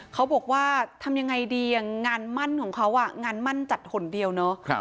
เขาบอกว่าทำยังไงดีงานมั่นของเขางานมั่นจัดหนเดียวเนาะ